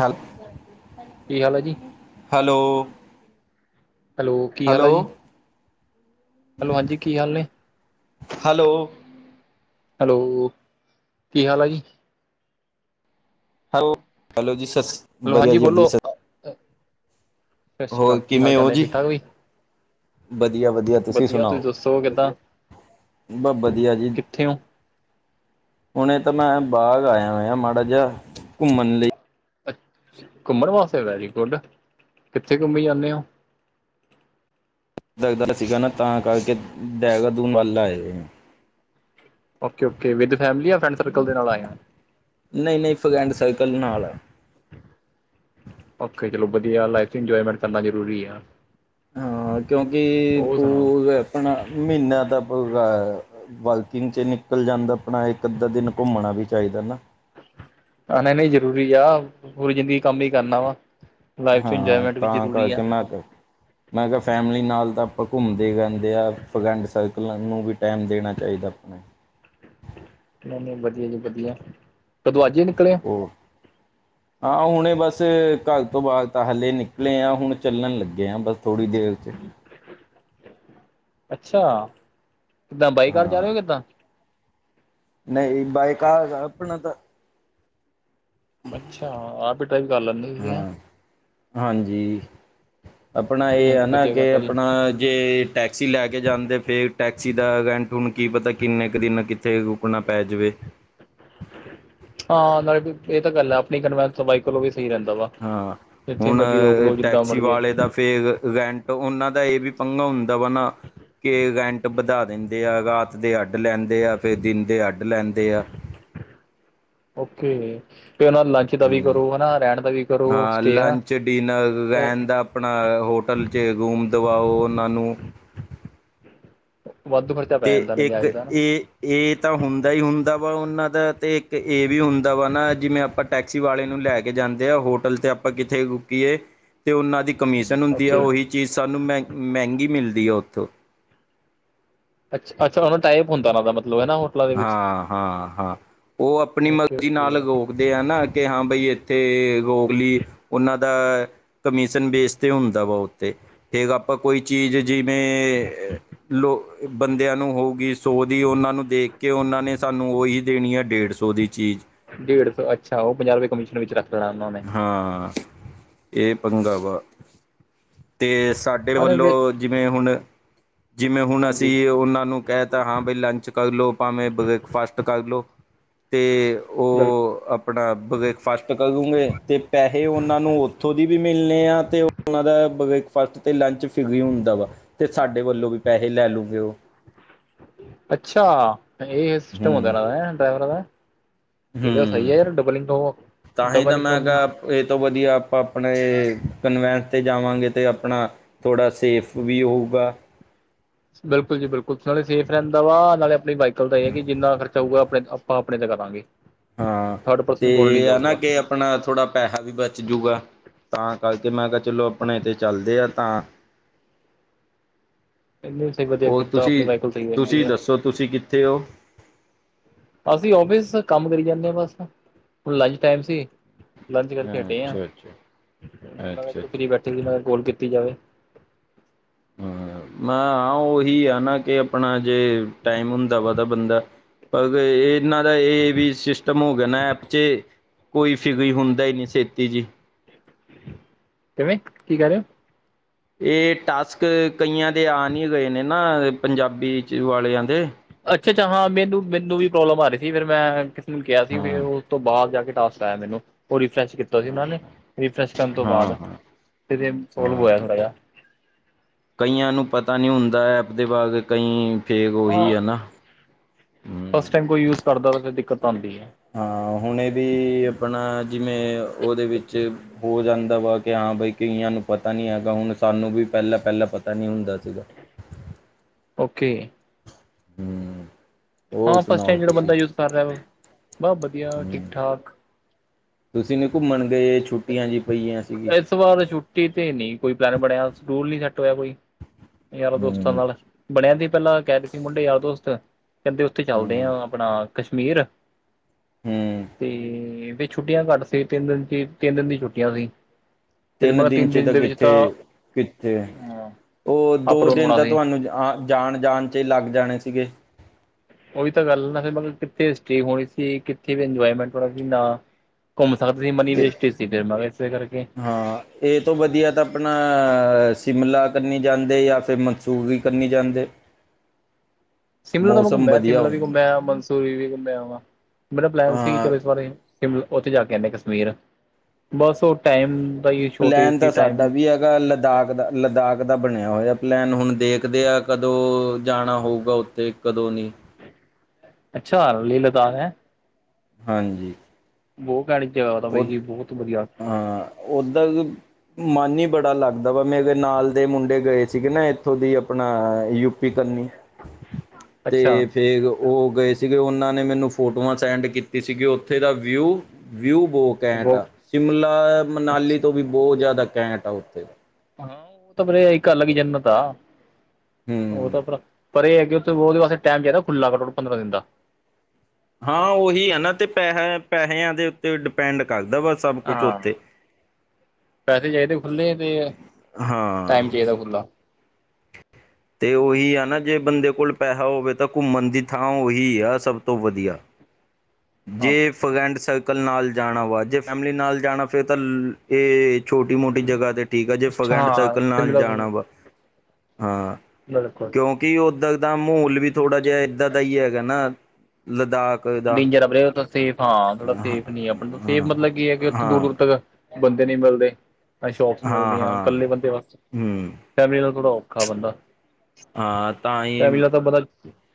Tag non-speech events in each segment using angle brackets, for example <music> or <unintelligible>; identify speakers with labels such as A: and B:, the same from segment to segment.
A: ਚਲ
B: ਕੀ, ਹਾਲ ਹੈ ਜੀ?
A: ਹੈਲੋ
B: ਹੈਲੋ ਕੀ ਹਾਲ ਆ ਜੀ ਹੈਲੋ ਹਾਂਜੀ ਕੀ ਹਾਲ ਨੇ
A: ਹੈਲੋ
B: ਹੈਲੋ, ਕੀ ਹਾਲ ਆ ਜੀ।
A: ਹੈਲੋ-ਹੈਲੋ ਜੀ, ਸਤ
B: ਹੈਲੋ
A: ਵਧੀਆ
B: ਹਾਂਜੀ
A: ਜੀ ਵਧੀਆ
B: ਬੋਲੋ
A: ਸਰ।
B: ਸਤਿ ਸ਼੍ਰੀ
A: ਹੋਰ
B: ਅਕਾਲ ਕੀ
A: ਕਿਵੇਂ
B: ਹਾਲ ਚਾਲ
A: ਹੋ
B: ਨੇ
A: ਜੀ?
B: ਠੀਕ ਠਾਕ ਵੀ
A: ਵਧੀਆ ਵਧੀਆ ਤੁਸੀਂ ਸੁਣਾਓ? ਬ ਵਧੀਆ ਜੀ।
B: ਕਿੱਥੇ ਹੋ
A: ਹੁਣੇ ਤਾਂ ਮੈਂ ਬਾਰ ਆਇਆ ਹੋਇਆ ਮਾੜਾ ਜਿਹਾ, ਘੁੰਮਣ ਲਈ।
B: ਅੱ ਘੁੰਮਣ ਵਾਸਤੇ ਵੈਰੀ ਗੁੱਡ ਕਿੱਥੇ ਘੁੰਮੀ ਜਾਂਦੇ ਹੋ?
A: ਦਲਦਲ ਸੀਗਾ ਨਾ ਤਾਂ ਕਰਕੇ ਦੇਹਰਾਦੂਨ ਵੱਲ ਆਏ ਦੇ ਨੇ।
B: Okay okay, with family? ਜਾਂ ਫਰੈਂਡ ਸਰਕਲ ਦੇ ਨਾਲ ਆਏ ਹੋ?
A: ਨਹੀਂ-ਨਹੀਂ, ਫਕੈਂਡ ਸਰਕਲ ਨਾਲ ਆ।
B: ਓਖੇ ਚਲੋ ਵਧੀਆ ਗੱਲ ਹੈ। ਏਥੇ ਇੰਜੋਏਮੈਂਟ ਕਰਨਾ ਜ਼ਰੂਰੀ ਆ।
A: ਹਾਂ, ਕਿਉਂਕਿ
B: ਹੋਰ ਸੁਣਾਓ
A: ਕੋਲ ਆਪਣਾ, ਮਹੀਨਾ ਤਾਂ ਪੁਰਾ ਏ। ਵਾਈਕਿੰਗ ਚ ਨਿਕਲ ਜਾਂਦਾ। ਆਪਣਾ ਇੱਕ, ਅੱਧਾ, ਦਿਨ ਘੁੰਮਣਾ ਵੀ ਚਾਹੀਦਾ ਨਾ।
B: ਨਹੀਂ-ਨਹੀਂ, ਜ਼ਰੂਰੀ ਆ। ਪੂਰੀ ਜ਼ਿੰਦਗੀ ਕੰਮ ਹੀ ਕਰਨਾ ਵਾ। ਲਾਈਫ ਚ
A: ਹਾਂ
B: ਇੰਜੋਏਮੈਂਟ ਵੀ,
A: ਤਾਂ
B: ਜ਼ਰੂਰੀ ਆ।
A: ਕਰਕੇ ਮੈਂ ਮੈਂ ਕਿਹਾ, ਫੈਮਿਲੀ ਨਾਲ ਤਾਂ, ਆਪਾਂ ਘੁੰਮਦੇ ਰਹਿੰਦੇ ਆ। ਫਰੈਂਡ ਸਰਕਲਾ ਨੂੰ ਵੀ ਟਾਈਮ ਦੇਣਾ ਚਾਹੀਦਾ ਆਪਣਾ।
B: ਨਹੀਂ- ਨਹੀਂ, ਵਧੀਆ ਜੀ ਵਧੀਆ, ਕਦੋਂ ਅੱਜ ਹੀ ਨਿਕਲੇ ਆ।
A: ਹੋਰ? ਹਾਂ ਹੁਣੇ, ਬਸ ਘਰ ਤੋਂ ਬਾਹਰ, ਤਾਂ ਹਾਲੇ ਨਿਕਲੇ ਆ। ਹੁਣ ਚੱਲਣ ਲੱਗੇ ਹਾਂ, ਬਸ। ਥੋੜੀ ਦੇਰ ਚ
B: ਅੱਛਾ। ਕਿੱਦਾਂ, ਬਾਈਕਾਰ ਜਾ ਰਹੇ
A: ਹਾਂ
B: ਹੋ, ਕਿੱਦਾਂ?
A: ਨਹੀਂ, ਬਣੀਕਾਰ, ਆਪਣਾ ਤਾਂ
B: ਅੱਛਾ। ਆਪ ਹੀ ਡਰਾਈਵ ਕਰ ਲੈਂਦੇ ਹੋ, ਤੁਸੀ।
A: ਹਾਂ ਹਾਂਜੀ। ਆਪਣਾ
B: ਨਹੀਂ
A: ਇਹ, ਹੈ
B: ਨਹੀਂ
A: ਨਾ
B: ਵਧੀਆ
A: ਕਿ,
B: ਗੱਲ ਹੈ ਜੀ
A: ਆਪਣਾ ਜੇ ਟੈਕਸੀ ਲੈ ਕੇ ਜਾਂਦੇ, ਫੇਰ ਟੈਕਸੀ ਦਾ ਰੈਂਟ ਹੁਣ, ਕੀ ਪਤਾ, ਕਿੰਨੇ ਕੁ ਦਿਨ, ਕਿੱਥੇ ਰੁਕਣਾ ਪੈ ਜਾਵੇ।
B: ਹਾਂ, ਨਾਲੇ ਇਹ ਤਾਂ ਗੱਲ ਹੈ। ਆਪਣੀ ਕਨਵੈਂਸ ਵਹੀਕਲ ਹੋ ਵੇ, ਸਹੀ ਰਹਿੰਦਾ ਵਾ।
A: ਹਾਂ
B: ਜਿੱਥੇ
A: ਹੁਣ,
B: ਮਰਜ਼ੀ ਰੋਕ ਲਓ ਜਿੱਦਾਂ
A: ਟੈਕਸੀ
B: ਮਰ ਜੇ
A: ਵਾਲੇ ਦਾ ਫੇਰ ਉਹਨਾਂ ਦਾ ਇਹ ਵੀ, ਪੰਘਾ ਹੁੰਦਾ ਵਾ ਨਾ ਕੈਂਟ ਵਧਾ, ਦਿੰਦੇ ਆ ਰਾਤ ਦੇ ਅੱਡ ਲੈਂਦੇ ਆ। ਫੇਰ ਦਿਨ ਦੇ ਅੱਡ ਲੈਂਦੇ ਆ।
B: ਓਕੇ। ਤੇ ਉਹਨਾਂ ਲ ਦਾ ਵੀ
A: ਹਮ
B: ਕਰੋ। ਹਨਾ ਰਹਿਣ ਦਾ ਵੀ ਕਰੋ।
A: ਹਾਂ
B: ਸਟੇ ਹਾ।
A: ਲੰਚ ਡਿਨਰ
B: ਉਹ
A: ਰਹਿਣ ਦਾ ਆਪਣਾ ਹੋਟਲ ਚ, ਰੂਮ ਦਵਾਓ ਉਹਨਾਂ ਨੂੰ
B: ਵਾਧੂ ਪੈ
A: ਤੇ
B: ਜਾਂਦਾ
A: ਇੱਕ,
B: ਨਜਾਇਜ਼ ਦਾ ਨਾ
A: ਇਹ ਇਹ ਤਾਂ, ਹੁੰਦਾ ਹੀ ਹੁੰਦਾ ਵਾ ਉਹਨਾਂ ਦਾ, ਤੇ ਇੱਕ ਇਹ ਵੀ ਹੁੰਦਾ ਵਾ, ਨਾ ਜਿਵੇਂ ਆਪਾਂ ਟੈਕਸੀ ਵਾਲੇ ਨੂੰ, ਲੈ ਕੇ ਜਾਂਦੇ ਆ। ਹੋਟਲ ਤੇ ਆਪਾਂ ਕਿੱਥੇ ਰੁਕੀਏ ਤੇ ਉਹਨਾਂ ਦੀ ਕਮਿਸ਼ਨ ਹੁੰਦੀ ਆ।
B: ਓਕੇ
A: ਉਹੀ ਚੀਜ਼ ਸਾਨੂੰ ਮਹ ਮਹਿੰਗੀ ਮਿਲਦੀ ਆ ਉੱਥੋਂ।
B: ਅੱਛਾ ਉਹਨਾ, ਦਾ ਟਾਈਪ ਹੁੰਦਾ ਉਹਨਾਂ ਦਾ ਮਤਲਬ, ਹਨਾ।
A: ਹਾਂ-ਹਾਂ-ਹਾਂ ਉਹ ਆਪਣੀ
B: ਓਕੇ
A: ਮਰਜ਼ੀ ਨਾਲ
B: ਓਕੇ
A: ਲਓ ਦੇ ਆ ਨਾ ਕਿ ਹਾਂ, ਬਈ ਇੱਥੇ ਰੋਗਲੀ ਉਹਨਾਂ ਦਾ। ਕਮਿਸਨ ਬੇਸ ਤੇ, ਹੁੰਦਾ ਵਾ ਉੱਤੇ, ਫੇਰ ਆਪਾ ਕੋਈ ਚੀਜ ਜਿਵੇਂ ਲੋ, ਬੰਦੇਆਂ ਨੂੰ ਹੋਊਗੀ ਸੋ ਦੀ, ਓਨਾਂ ਨੂੰ ਦੇਖ ਕੇ ਓਨਾਂ ਨੇ ਸਾਨੂੰ, ਓਹੀ ਦੇਣੀ ਆ, ਡੇੜ ਸੌ ਦੀ ਚੀਜ।
B: ਡੇੜ ਸੌ ਅੱਛਾ, ਔਓ ਪੰਜਾ ਰਪੇ, ਕਮਿਸ਼ਨ ਵਿੱਚ ਰੱਖ ਲੈਣਾ ਓਨਾਂ ਨੇ।
A: ਹਾਂ, ਏ ਪੰੰਗਾ ਵਾ, ਤੇ ਸਾਡੇ
B: ਉਹਨੇ ਵੀ
A: ਵੱਲੋਂ। ਜਿਵੇਂ ਹੁਣ, ਜਿਵੇਂ ਹੁਣ ਅਸੀਂ
B: ਹਾਂਜੀ
A: ਏ ਓਨਾਂ ਨੂੰ ਕਹਤਾ ਹਾਂ ਬਈ ਲੰਚ ਕਰਲੋ, ਭਾਵੇਂ ਬ੍ਰੇਕਫਾਸਟ ਕਰ ਲੋ। ਤੇ ਓ
B: ਬਿਲਕੁਲ
A: ਆਪਣਾ ਬ੍ਰੇਕਫਾਸਟ ਕਰੂੰਗੇ। ਤੇ ਪੈਹੇ ਓਨਾਂ ਨੂੰ, ਓਥੋਂ ਦੀ ਵੀ ਮਿਲਨੇ ਆ, ਤੇ ਓਨਾਂ ਦਾ ਬ੍ਰੇਕਫਾਸਟ ਤੇ ਲੰਚ ਫਰੀ ਹੁੰਦਾ ਵਾ, ਤੇ ਸਾਡੇ ਵੱਲੋਂ ਵੀ ਪੈਹੇ ਲੈ ਲੂਗੇ ਓ।
B: ਅੱਛਾ, ਏ ਸਿਸਟਮ ਹੁੰਦਾ,
A: ਹੂੰ
B: ਏਨਾਂ ਦਾ ਡਰਾਈਵਰਾਂ ਦਾ। ਏ ਤਾਂ ਸਈ
A: ਹੂੰ
B: ਆ। ਯਾਰ ਡਬਲ ਇਨਕਮ,
A: ਤਾਂ ਹੀ
B: ਡਬਲ
A: ਤਾਂ ਮੈਂ
B: ਇਨਕਮ।
A: ਕਿਹਾ ਇਹ ਤੋਂ ਵਧੀਆ, ਆਪਾਂ ਆਪਣੇ ਕਨਵੈਂਸ ਤੇ, ਜਾਵਾਂਗੇ ਤੇ, ਆਪਣਾ ਥੋੜਾ, ਸੇਫ ਵੀ ਹੋਊਗਾ।
B: ਬਿਲਕੁਲ ਜੀ ਬਿਲਕੁਲ ਨਾਲੇ ਸੇਫ ਰਹਿੰਦਾ ਵਾ। ਨਾਲੇ ਆਪਣੀ ਵਾਈਕਲ, ਦਾ ਇਹ ਹੈ ਕਿ, ਜਿੰਨਾ ਖਰਚਾ ਹੋਊਗਾ ਆਪਣੇ ਆਪਾਂ ਆਪਣੇ ਤਾਂ ਕਰਾਂਗੇ।
A: ਹਾਂ
B: ਥਰਡ
A: ਤੇ
B: ਪਰਸਨ ਕੋਲ ਨਹੀਂ
A: ਹਨ ਨਾ
B: ਜਾਊਗਾ
A: ਕੇ ਆਪਣਾ ਥੋੜ੍ਹਾ ਪੈਸਾ ਵੀ ਬਚ ਜੂਗਾ ਤਾਂ ਕਰਕੇ ਮੈਂ ਕਿਹਾ ਚਲੋ ਆਪਣੇ ਤੇ ਚੱਲਦੇ ਆ ਤਾਂ
B: ਐਨੇ ਵੀ ਸਈ ਵਦੀਆ ਕੀਤਾ ਆਪਣੀ ਵਾਈਕਲ ਸਈ ਰੈਂਦੀ ਆ।
A: ਤੁਸੀ ਕਿੱਥੇ ਓ?
B: ਅਸੀਂ ਓਫਿਸ ਦਾ ਕੰਮ ਕਰੀ ਜਾਂਨੇ ਆ ਬਸ, ਹੁਣ ਲੰਚ ਟੈਮ ਸੀ। ਲੰਚ ਕਰਕੇ ਹਟੇ ਆਂ,
A: ਅੱਛਾ-ਅੱਛਾ,
B: ਮੈਂ ਕੇਆ ਕੀਤੇ
A: ਅੱਛਾ-ਅੱਛਾ।
B: ਫ੍ਰੀ ਬੈਠੇ ਸੀ ਮੈਂ ਕੋਲ ਕੱਟੀ ਜਾਵੇ।
A: ਹਾਂ, ਮੈਂ ਆ ਆ ਓਹੀ ਆ ਨਾ ਕੇ ਅਪਣਾ ਜੇ, ਟਾਈਮ ਹੁੰਦਾ ਵਾ ਤਾਂ ਬੰਦਾ ਪਰ ਏਨਾਂ ਦਾ ਏ ਵੀ ਸਿਸਟਮ ਹੋ ਗੇਆ ਨਾ ਐਪ ਚੇ ਕੋਈ ਫ੍ਰੀ ਹੁੰਦਾ ਈ ਨੀ ਛੇਤੀ ਜੀ।
B: ਕਿਵੇਂ? ਕੀ ਕੈ ਰੇ ਓ?
A: ਏ ਟਾਸਕ, ਕਈਆਂ ਦੇ ਆ ਨਈ ਰਏ ਨੇ ਨਾ ਪੰਜਾਬੀ 'ਚ ਵਾਲੇ਼ਆਂ ਦੇ।
B: ਅੱਛਾ, ਅੱਛਾ ਹਾਂ ਮੈਨੂੰ, ਮੈਨੂੰ ਵੀ ਪ੍ਰੋਬਲ਼ਮ ਆ ਰਈ ਸੀ ਫੇਰ ਮੈਂ <unintelligible> ਕੇਆ ਸੀ ਫੇਰ
A: ਹਾਂ,
B: ਓ, ਓਸ ਤੋਂ ਬਾਦ ਜਾ ਕੇ ਟਾਸਕ ਆ ਜਾਂਦੇ ਨੇ ਦੇਖੋ ਓ ਰਿਫਰੈਸ਼ ਕੀ
A: ਹਾਂ,
B: ਰੀਫ੍ਰੇਸ਼ ਕਰਨ ਤੋਂ
A: ਹਾਂ,
B: ਬਾਦ
A: ਹਾਂ,
B: ਫੇਰ ਈ ਸੋਲਵ
A: ਹਾਂ।
B: ਹੋਆ ਥੋੜਾ ਜੇਆ।
A: ਕਈਆਂ ਨੂੰ ਪਤਾ ਨੀ ਹੁੰਦਾ ਐਪ ਦੇ ਬਾਰੇ ਕਈਂ ਫੇਰ ਓਈ
B: ਹਾਂ
A: ਐ ਨਾ।
B: ਫਸਟ
A: ਹੂੰ।
B: ਟਾਈਮ ਕੋਈ ਯੂਜ ਕਰਦਾ ਤਾਂ ਦਿੱਕਤ ਆਂਦੀ ਏ।
A: ਹਾਂ ਹੁਣੇ ਵੀ, ਅਪਣਾ ਜਿਵੇਂ ਓਦੇ ਵਿੱਚ ਹੋ ਜਾਂਦਾ ਵਾ, ਕੇ ਹਾਂ ਬਈ ਕਈਆਂ ਨੂੰ ਪਤਾ ਨੀ ਹੈਗਾ ਹੁਨ ਸਾਨੂੰ ਵੀ ਪੈਲਾਂ ਪੈਲਾਂ ਪਤਾ ਨੀ ਹੁੰਦਾ ਸੀਗਾ।
B: ਓਕੇ।
A: ਹੂੰ। <unintelligible> ਉਹ
B: ਹਾਂ
A: ਸੁਣਾਓ
B: ਫਸਟਾਈਮ ਜੇੜਾ
A: ਤੁਸੀਂ
B: ਬੰਦਾ ਯੂਜ਼ ਕਰ ਰੇਆ ਵਾ, ਬ ਵਦੀਆ ਠੀਕ,
A: ਹੂੰ
B: ਠਾਕ।
A: ਤੁਸੀਂ ਨੀ ਘੁੰਮਣ ਗਏ, ਛੁੱਟੀਆਂ ਜੀ ਪਈਆਂ ਸੀਗੀ?
B: ਓਤੋਂ ਬਾਦ ਛੁੱਟੀ ਤੇ ਨੀ ਕੋਈ, ਪਲੈਨ ਬਣੇਆ ਸਡੂਲ ਨੀ ਸੇਟ ਹੋਏਆ ਕੋਈ। ਯਾਰਾਂ ਦੋਸਤਾਂ
A: ਹੂੰ
B: ਨਾਲ਼, ਬਣੇਆ ਸੀ ਪੈਲਾਂ ਕੇ ਰਏ ਸੀ ਮੁੰਡੇ ਯਾਰ ਦੋਸਤ ਏ ਕੈਂਦੇ ਓਥੇ ਚਾਲਦੇ ਆ
A: ਹੂੰ
B: ਆਪਣਾ ਕਸ਼ਮੀਰ,
A: ਹੂੰ
B: ਤੇ ਛੁੱਟੀਆਂ ਘੱਟ ਸੀ ਤਿੰਨ ਦਿਨ ਚ, ਤਿੰਨ ਦਿਨ ਦੀ ਛੁੱਟੀਆਂ ਸੀ। ਫਿਰ ਮੈਂ
A: ਤਿੰਨ
B: ਕਿਹਾ
A: ਦਿਨ, ਚ ਤਾਂ
B: ਦੇ ਵਿੱਚ
A: ਕਿੱਥੇ, ਕਿੱਥੇ
B: ਅ
A: ਓ
B: ਅਪ
A: ਦੋ
B: ਡਾਊਨ
A: ਦਿਨ
B: ਹੋਣਾ
A: ਤਾਂ
B: ਸੀ
A: ਤੁਹਾਨੂੰ ਆ ਜਾਣ, ਜਾਣ ਚੇਈ ਲੱਗ ਜਾਣੇ ਸੀਗੇ।
B: ਓਹੀ ਤਾਂ ਗੱਲ ਆ ਨਾ ਫੇਰ ਮਤਲਬ ਕਿੱਥੇ ਸਟੇ ਹੋਣੀ ਸੀ, ਕਿੱਥੇ ਵੀ ਇੰਜੋਈਮੇਂਟ ਹੋਣਾ ਸੀ। ਨਾ ਘੁੰਮ ਸਕਦੇ ਸੀ ਮਨੀ
A: ਤੇ
B: ਵੇਸਟੇਜ ਸੀ, ਫਿਰ ਮੈਂ ਇਸੇ ਕਰਕੇ
A: ਹਾਂ। ਏ ਤੋਂ ਵਦੀਆ ਤਾਂ ਆਪਨਾ, ਸਿਮਲਾ ਕਨੀ ਜਾਂਦੇ, ਯਾ ਫਿਰ ਮਨਸੂਰੀ ਕਨੀ ਜਾਂਦੇ।
B: <inaudible> ਸਿਮਲਾ ਤਾਂ ਮੈਂ ਘੁੰਮ
A: ਮੌਸਮ
B: ਆਯਾ
A: ਵਧੀਆ
B: ਸਿਮਲਾ ਵੀ ਘੁੰਮੇਆ ਮਨਸੂਰੀ ਵੀ ਘੁੰਮੇਆ ਵਾ, ਮੇਰਾ ਪਲੈਨ ਸੀ
A: ਅ
B: ਚਲੋ ਇਸ ਵਾਰੀ। ਸਿਮਲ ਓਥੇ ਜਾ ਕੇ ਆਂਦੇ ਕਸਮੀਰ, ਬਸ ਓ ਟਾਈਮ, ਦਾ ਈਸੂ਼ ਸੋ਼ਟੇਜ ਸੀ ਟਾਈਮ।
A: ਲ, ਲਦਾਕ ਦਾ ਲਦਾਕ ਦਾ, ਬਣੇਆ ਹੋਏਆ ਪਲੈਨ ਹੂਣ ਦੇਖਦੇ ਆਂ ਕਦੋਂ, ਜਾਣਾ ਹੋਊਗਾ ਓਥੇ। ਕਦੋਂ ਨੀ
B: ਅੱਛਾ ਲੀ ਲਦਾਕ ਹੈ
A: ਹਾਂਜੀ
B: ਬਹੁਤ <unintelligible> ਬਾਈ ਜੀ ਬਹੁਤ ਵਧੀਆ।
A: ਉੱਧਰ ਮਨ ਹੀ ਬੜਾ ਲੱਗਦਾ ਵਾ ਮੇਰੇ ਨਾਲ ਦੇ ਮੁੰਡੇ ਗਏ ਸੀਗੇ ਨਾ ਇੱਥੋਂ ਦੀ ਆਪਣਾ ਯ ਫ਼ਿਕਰ ਨਿ
B: ਅੱਛਾ
A: ਅਤੇ ਫਿਰ ਉਹ ਗਏ ਸੀਗੇ ਉਹਨਾਂ ਨੇ ਮੈਨੂੰ ਫੋਟੋਆਂ ਸੈਂਡ ਕੀਤੀ ਸੀਗੀ ਉੱਥੇ ਦਾ ਵਿਊ ਵਿਊ ਬਹੁਤ ਕੈਂਟ ਆ ਸ਼ਿਮਲਾ ਮਨਾਲੀ ਤੋਂ ਵੀ ਬਹੁਤ ਜ਼ਿਆਦਾ ਕੈਂਟ ਆ ਉੱਥੇ
B: ਹਾਂ ਓ ਤਾਂ ਫੇਰੇ ਇੱਕ ਅਲੱਗ ਈ ਜੰਨਤ ਆ, ਓ
A: ਹੂੰ
B: ਤਾਂ ਫਰ ਪਰ ਏ ਐ ਕੇ ਉੱਥੇ ਉਦੇ ਵਾਸਤੇ ਟਾਈਮ ਚਾਈਦਾ, ਖੁੱਲਾ ਪੰਦਰਾਂ ਦਿਨ ਦਾ।
A: ਹਾਂ ਉਹੀ ਹੈ ਨਾ ਤੇ ਪੈਸ ਪੈਸਿਆਂ ਦੇ ਤੇ ਡਿਪੈਂਡ ਕਰਦਾ ਵਾ ਸਭ ਕੁਛ
B: ਹਾਂ
A: ਉੱਥੇ
B: ਪੈਸੇ ਚਾਹੀਦੇ ਖੁੱਲ੍ਹੇ ਅਤੇ
A: ਹਾਂ
B: ਟਾਈਮ ਚਾਹੀਦਾ ਖੁੱਲ੍ਹਾ
A: ਤੇ ਉਹੀ ਆ ਨਾ ਜੇ ਬੰਦੇ ਕੋਲ ਪੈਸਾ ਹੋਵੇ ਤਾਂ ਘੁੰਮਣ ਦੀ ਥਾਂ ਉਹੀ ਆ ਸਭ ਤੋਂ ਵਧੀਆ।
B: ਹਾਂ
A: ਜੇ ਫਰੈਂਡ ਸਰਕਲ ਨਾਲ ਜਾਣਾ ਵਾ ਜੇ ਫੈਮਿਲੀ ਨਾਲ ਜਾਣਾ ਫਿਰ ਤਾਂ ਇਹ ਛੋਟੀ ਮੋਟੀ ਜਗ੍ਹਾ ਤੇ ਠੀਕ ਆ ਜੇ
B: ਅੱਛਾ
A: ਫਗੈਂਡ
B: ਹਾਂ
A: ਸਰਕਲ ਨਾਲ
B: ਸਿਮਲਾ
A: ਜਾਣਾ ਵਾ ਹਾਂ।
B: ਬਿਲਕੁਲ।
A: ਕਿਉਂਕਿ ਓਦਾਂ ਦਾ ਮਾਹੌਲ ਵੀ ਥੋੜਾ ਜਿਹਾ ਏਦਾਂ ਦਾ ਹੀ ਹੈਗਾ ਨਾ ਲਦਾਖ ਦਾ
B: ਡੇਜਰ ਆ ਵੀਰੇ ਓਦਰ ਸੇਫ ਆ ਹਾਂ ਥੋੜਾ ਸੇਫ ਨੀ ਆਪ ਸੇਫ ਮਤਲਬ ਕੀ ਐ ਕਿ ਉੱਥੇ ਦੂਰ
A: ਹਾਂ
B: ਦੂਰ ਤੱਕ ਬੰਦੇ ਨੀ ਮਿਲਦੇ ਨਾ ਸ਼ੋਪਸ
A: ਹਾਂ
B: ਮਿਲਦੀਆਂ ਹੁਣ
A: ਹਾਂ
B: ਕੱਲੇ ਕੱਲੇ ਵਾਸਤੇ,
A: ਹੂੰ
B: ਫੈਮਲੀ ਨਾਲ ਥੋੜ੍ਹ ਔਖਾ ਬੰਦਾ।
A: ਹਾਂ ਤਾਂ ਹੀ,
B: <unintelligible>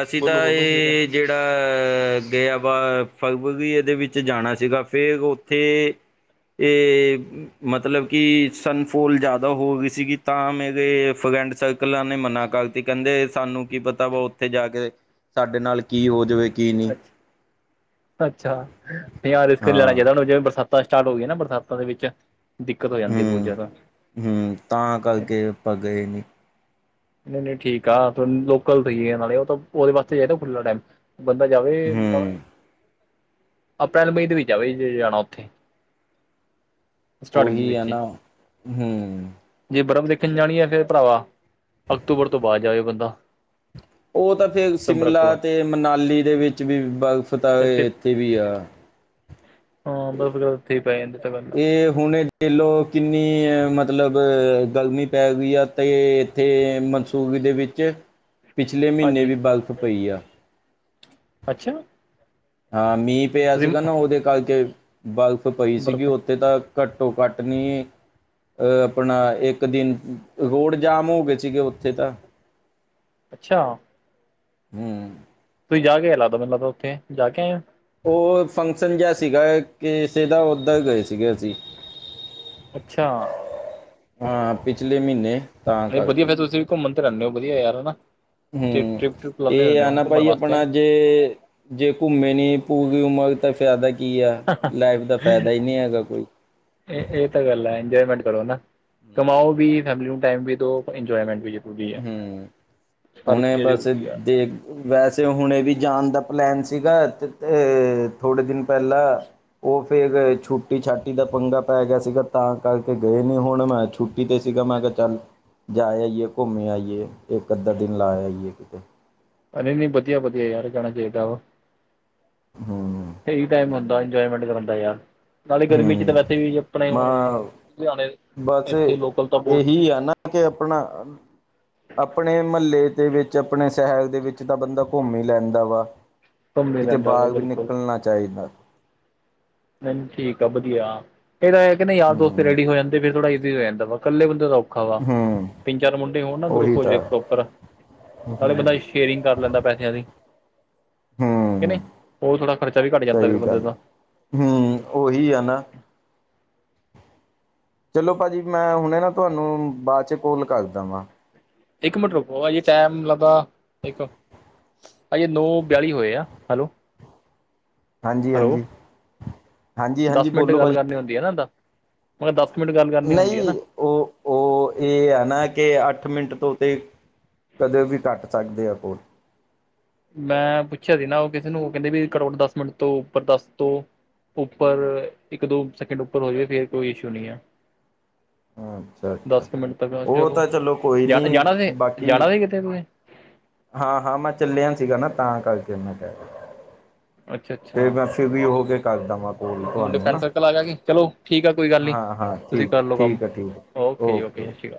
A: ਅਸੀਂ ਤਾਂ
B: ਬੋਲੋ ਬੋਲੋ ਕੀ ਕਹਿ
A: ਇਹ ਜਿਹੜੇ ਅਹ ਗਿਆ ਵਾ <unintelligible> ਇਹਦੇ ਵਿੱਚ ਜਾਣਾ ਸੀਗਾ ਫੇਰ ਉੱਥੇ ਏ, ਮਤਲਬ ਕਿ ਸਨਫੋਲ ਜਿਆਦਾ ਹੋ ਗਈ ਸੀਗੀ ਤਾਂ ਮੇਰੇ ਫਰੈਂਡ ਸਰਕਲਾਂ ਨੇ ਮਨਾ ਕਰ ਤੇ ਕਹਿੰਦੇ ਸਾਨੂੰ ਕੀ ਪਤਾ ਵਾ ਉੱਥੇ ਜਾ ਕੇ ਸਾਡੇ ਨਾਲ ਕੀ ਹੋ ਜਵੇ ਕਿ
B: ਅੱਛਾ ਅੱਛਾ, ਯਾਰ ਰਿਸਕ ਨੀ ਲੈਣਾ
A: ਹਾਂ
B: ਚਾਹੀਦਾ ਹੁਣ ਜਿਵੇਂ ਬਰਸਾ ਸਟਾਰਟ ਹੋ ਗਈਆਂ ਨਾ ਬਰਸਾਤਾਂ ਦੇ ਵਿੱਚ ਦਿੱਕਤ ਹੋ ਜਾਂਦੀ ਆ ਬਹੁਤ
A: ਹੂੰ
B: ਜ਼ਿਆਦਾ।
A: ਹੂੰ, ਤਾਂ ਕਰਕੇ ਆਪਾਂ ਗਏ ਨੀ।
B: ਨਹੀਂ ਨਹੀਂ, ਠੀਕ ਆ ਲੋਕਲ ਸਈ ਨਾਲ ਉਹਦੇ ਵਾਸਤੇ ਚਾਹੀਦਾ ਖੁੱਲਾ ਟਾਈਮ। ਬੰਦਾ ਜਾਵੇ ਮਤਲਬ
A: ਹੂੰ
B: ਅਪ੍ਰੈਲ ਮਈ ਦੇ ਵਿੱਚ ਜਾਵੇ ਜੇ ਜਾਣਾ ਉੱਥੇ। ਸਟਾਰਟਿੰਗ ਦੇ
A: ਓਹੀ ਆ
B: ਵਿੱਚ
A: ਨਾ ਹੂੰ,
B: ਜੇ ਬਰਫ਼ ਦੇਖਣ ਜਾਣੀ ਆ ਫੇਰ ਭਰਾਵਾ ਅਕਤੂਬਰ ਤੋਂ ਬਾਅਦ ਜਾਵੇ ਬੰਦਾ।
A: ਉਹ ਤਾਂ ਫੇਰ
B: ਸਤੰਬਰ
A: ਸ਼ਿਮਲਾ
B: ਅਕਤੂਬਰ
A: ਤੇ ਮਨਾਲੀ ਦੇ ਵਿੱਚ ਵੀ ਬਰਫ਼ ਤਾਂ ਇੱਥੇ ਵੀ ਆ।
B: ਹਾਂ ਬਰਫ਼ ਵਗੈਰਾ ਉੱਥੇ ਹੀ ਪੈ ਜਾਂਦੀ ਤਾਂ ਗੱਲ
A: ਏ ਹੁਣ। ਦੇਖਲੋ ਕਿੰਨੀ ਮਤਲਬ ਗਰਮੀ ਪੈ ਗਈ ਆ ਤੇ ਤੇ ਮਨਸੂਬੀ ਦੇ ਵਿੱਚ
B: <inaudible>
A: ਪਿਛਲੇ ਮਹੀਨੇ
B: ਹਾਂਜੀ
A: ਵੀ ਬਰਫ਼ ਪਈ ਆ।
B: ਅੱਛਾ।
A: ਹਾਂ, ਮੀਂਹ ਪਿਆ
B: ਤੁਸੀਂ
A: ਸੀਗਾ ਨਾ ਉਹਦੇ ਕਰਕੇ ਬਰਫ਼ ਪਈ ਸੀਗੀ,
B: ਬਰਫ਼
A: ਉ- ਤੇ ਤਾਂ ਘੱਟੋ ਘੱਟ ਨੀ- ਆਪਣਾ ਇੱਕ ਦਿਨ ਰੋਡ ਜਾਮ ਹੋ ਗਏ ਸੀਗੇ ਉੱਥੇ ਤਾਂ।
B: ਅੱਛਾ।
A: ਹੂੰ,
B: ਤੁਸੀਂ ਜਾ ਕੇ ਆਏ ਲੱਗਦਾ ਮੈਨੂੰ ਲਗਦਾ ਉੱਥੇ ਜਾ ਕੇ ਆਏ ਓ?
A: ਓ ਫੰਕਸ਼ਨ ਜਿਹਾ ਸੀਗਾ ਕਿਸੇ ਦਾ ਉੱਧਰ ਗਏ ਸੀਗੇ ਅਸੀਂ।
B: ਅੱਛਾ।
A: ਹਾਂ ਪਿਛਲੇ ਮਹੀਨੇ- ਤਾਂ
B: ਨਈ ਵਧੀਆ
A: ਕਰਕੇ
B: ਫਿਰ ਤੁਸੀ ਵੀ ਘੁੰਮਣ ਤੇ ਰਹਿੰਨੇ ਓ ਵਧੀਆ ਯਾਰ ਹਨਾ। ਟ੍ਰਿਪ
A: ਹੂੰ,
B: ਟ੍ਰਿਪ ਟ੍ਰਿਪ ਲਾਉਂਦੇ
A: ਇਹ
B: ਰਹਿੰਦੇ
A: ਆ
B: ਹੋ
A: ਨਾ
B: ਘੁੰਮਣ
A: ਭਾਜੀ
B: ਵਾਸਤੇ ਹੈਂ
A: ਆਪਣਾ ਜੇ- ਜੇ ਘੁੰਮੇ ਨੀ ਪੂਰੀ ਉਮਰ ਤਾਂ ਫਾਇਦਾ ਕੀ ਆ, ਲਾਈਫ ਦਾ ਫਾਇਦਾ ਈ ਨੀ ਹੈਗਾ ਕੋਈ।
B: ਇਹ ਇਹ ਤਾਂ ਗੱਲ ਐ ਇੰਜੋਏਮੈਂਟ ਕਰੋ ਨਾ ਕਮਾਓ ਵੀ, ਫੈਮਲੀ ਨੂੰ ਟਾਈਮ ਵੀ ਦਿਉ, ਇੰਜੋਏਮੈਂਟ ਵੀ- ਜ਼ਰੂਰੀ
A: ਹੂੰ
B: ਹੈ
A: ਹੂੰ,
B: ਹਰ
A: ਹੁਣੇ
B: ਚੀਜ਼
A: ਬਸ
B: ਜ਼ਰੂਰੀ ਹੈ
A: ਦੇਖ- ਵੈਸੇ ਹੁਣੇ ਵੀ ਜਾਣ ਦਾ ਪਲੈਨ ਸੀਗਾ ਤੇ ਤੇ ਥੋੜੇ ਦਿਨ ਪਹਿਲਾਂ। ਉਹ ਫੇਰ ਛੁੱਟੀ ਛਾਟੀ ਦਾ ਪੰਗਾ ਪੈ ਗਿਆ ਸੀਗਾ ਤਾਂ ਕਰਕੇ ਗਏ ਨਹੀਂ ਹੁਣ ਮੈਂ ਛੁੱ ਕਿਤੇ ਸੀਗਾ ਮੈਂ ਕਿਹਾ ਚੱਲ ਜਾ ਆਈਏ ਘੁੰਮੇ ਆਈਏ ਇੱਕ ਅੱਧਾ ਦਿਨ ਲਾ ਆਈਏ ਕਿਤੇ
B: ਅਰੇ ਨਹੀਂ ਵਧੀਆ ਵਧੀਆ ਯਾਰ ਜਾਣਾ ਚਾਹੀਦਾ ਵਾ।
A: ਹੂੰ,
B: ਇਹੀ ਟਾਈਮ ਹੁੰਦਾ ਇੰਜੋਏਮੈਂਟ ਕਰਨ ਦਾ ਯਾਰ। ਨਾਲੇ ਗਰਮੀ 'ਚ ਤਾਂ
A: ਹੂੰ
B: ਵੈਸੇ ਵੀ ਆਪਣੇ ਹੁਣ
A: ਮੈਂ
B: ਲੁਧਿਆਣੇ ਇੱਥੇ ਲੋਕਲ ਤਾਂ ਬਹੁਤ
A: ਕੇ ਆਪਣਾ ਆਪਣੇ ਮਹੱਲੇ ਦੇ ਵਿੱਚ ਆਪਣੇ ਸ਼ਹਿਰ ਦੇ ਵਿੱਚ ਤਾਂ ਬੰਦਾ ਘੁੰਮ ਹੀ ਲੈਂਦਾ ਵਾ।
B: ਕੰਮ ਮਿਲ
A: ਕਿਤੇ
B: ਜਾਂਦਾ ਵਾ
A: ਬਾਹਰ ਵੀ
B: ਬਿਲਕੁਲ
A: ਨਿਕਲਣਾ ਚਾਹੀਦਾ।
B: ਨਹੀਂ ਠੀਕ ਆ ਵਧੀਆ, ਫਿਰ ਐ ਨਾ ਯਾਰ ਦੋਸਤ
A: ਹੂੰ
B: ਰੈਡੀ ਹੋ ਜਾਂਦੇ ਫਿਰ ਥੋੜਾ ਇਜੀ ਹੋ ਜਾਂਦਾ ਵਾ, ਇਕੱਲੇ ਬੰਦੇ ਦਾ ਔ- ਖਾ ਵਾ
A: ਹੂੰ
B: ਤਿੰਨ ਚਾਰ ਮੁੰਡੇ ਹੋਣ ਨਾ ਗਰੁੱਪ
A: ਉਹੀ
B: ਹੋਜੇ
A: ਤਾਂ
B: ਪ੍ਰੋਪਰ।
A: ਹੂੰ
B: ਨਾਲੇ ਬੰਦਾ ਸ਼ੇਅਰਿੰਗ ਕਰ ਲੈਂਦਾ ਪੈਸਿਆਂ ਦੀ। ਕੇ
A: ਹੂੰ
B: ਨਹੀਂ ਉਹ ਥੋੜਾ ਖ਼ਰਚਾ ਵੀ ਘੱਟ ਜਾਂਦਾ ਫਿਰ ਬੰਦੇ ਦਾ।
A: ਹੀ, ਉਹੀ ਆ ਨਾ। ਚਲੋ ਭਾਜੀ ਮੈਂ ਹੁਣੇ ਨਾ ਤੁਹਾਨੂੰ ਬਾਅਦ ਚ ਕੋਲ ਕਰਦਾ ਵਾਂ।
B: ਇੱਕ ਮਿੰਟ ਰੁਕੋ ਜੀ ਟਾਈਮ ਲੱਗਦਾ ਇੱਕ- ਹਜੇ ਨੌ ਬਿਆਲੀ ਹੋਏ ਆ, ਹੈਲੋ-
A: ਹਾਂਜੀ
B: ਹੈਲੋ,
A: ਹਾਂਜੀ ਹਾਂਜੀ ਹਾਂਜੀ
B: ਦਸ ਮਿੰਟ
A: ਬੋਲੋ
B: ਗੱਲ
A: ਭਾਜੀ
B: ਕਰਨੀ ਹੁੰਦੀ ਆ ਨਾ ਓਦਾਂ- ਮਤਲਬ ਦਸ ਕ ਮਿੰਟ ਗੱਲ ਕਰਨੀ ਹੁੰਦੀ ਆ ਨਾ?
A: ਓ ਓ ਇਹ ਆ ਨਾ ਕਿ ਅੱਠ ਮਿੰਟ ਤੋਂ ਉੱਤੇ- ਕਦੇ ਵੀ ਕੱਟ ਸਕਦੇ ਆ ਕੋਲ।
B: ਮੈਂ ਪੁੱਛਿਆ ਸੀ ਨਾ ਉਹ ਕਿਸੇ ਨੂੰ ਓ ਕਹਿੰਦੇ ਵੀ ਘੱਟੋ ਘੱਟ ਦਸ ਮਿੰਟ ਤੋਂ ਉੱਪਰ ਦੱਸ ਤੋਂ- ਉੱਪਰ ਇੱਕ ਦੋ ਸੈਕਿੰਡ ਉੱਪਰ ਹੋ ਜਾਵੇ, ਫੇਰ ਕੋਈ ਇਸ਼ੂ ਨਹੀਂ ਆ।
A: ਅੱਛਾ ਅੱਛਾ
B: ਦਸ ਕੁ ਮਿੰਟ ਤੱਕ
A: ਉਹ
B: ਚਲੋ
A: ਤਾਂ ਕੋਈ
B: ਜਾਣਾ
A: ਨਹੀਂ
B: ਜਾਣਾ ਸੀ
A: ਬਾਕੀ
B: ਜਾਣਾ ਸੀ ਕਿਤੇ ਤੁਸੀਂ?
A: ਹਾਂ ਹਾਂ, ਮੈਂ ਚੱਲਿਆ ਸੀਗਾ ਨਾ ਤਾਂ ਕਰਕੇ ਮੈਂ ਕਿਹਾ।
B: ਅੱਛਾ
A: ਤੇ
B: ਅੱਛਾ
A: ਮੈਂ ਫ੍ਰੀ ਹੋ ਕਰਦਾ ਵਾਂ ਕੋਲ ਤੁਹਾਨੂੰ ਨਾ।
B: <unintelligible> ਚਲੋ ਠੀਕ ਆ ਕੋਈ- ਗੱਲ ਨਹੀਂ
A: ਹਾਂ ਹਾਂ,
B: ਤੁਸੀਂ
A: ਠੀਕ
B: ਕਰ ਲਓ ਕੰਮ
A: ਠੀਕ ਆ ਠੀਕ ਆ
B: ਜੀ
A: ਓਕੇ
B: ਸਤਿ ਸ਼੍ਰੀ
A: ਓਕੇ।
B: ਅਕਾਲ